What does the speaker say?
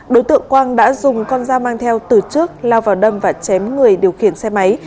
đối tượng quang đã dùng con dao mang theo từ trước lao vào đâm và chém người điều khiển xe máy